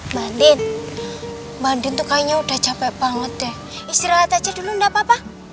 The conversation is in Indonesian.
mbak andin mbak andin tuh kayaknya udah capek banget deh istirahat aja dulu gak apa apa